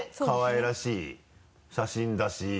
かわいらしい写真だし。